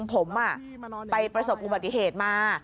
ผมไปประสบอุบัติเหตุมา